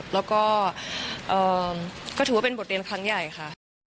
แล้วก็ถือว่าเป็นบทเรียนครั้งใหญ่ค่ะ